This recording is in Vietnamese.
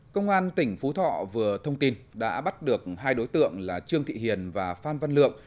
công an tỉnh phú thọ vừa thông tin đã bắt được hai đối tượng là trương thị hiền và phan văn lượng